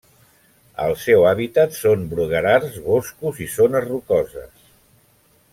El seu hàbitat són bruguerars, boscos i zones rocoses.